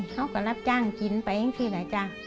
เราก็รับจ้างจิ้นไปอีกทีแล้วจ๊ะ